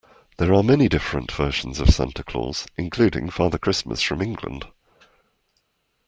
There are many different versions of Santa Claus, including Father Christmas from England